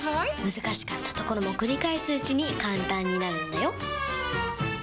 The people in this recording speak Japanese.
難しかったところも繰り返すうちに簡単になるんだよ！